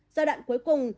giai đoạn cuối cùng